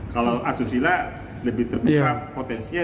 kalau asusila lebih terpikirkan potensi